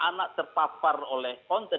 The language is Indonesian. anak terpapar oleh konten